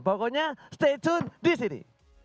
pokoknya stay tune disini